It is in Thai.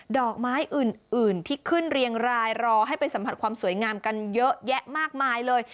ดอกไม้อื่นที่ขึ้นเรียงรายรอให้ไปสัมผัสความสวยงามกันเยอะแยะมากมายเลย